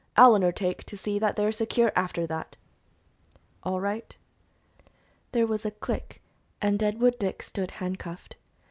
"I'll undertake to see that they are secure after that." "All right." There was a click, and Deadwood Dick stood handcuffed.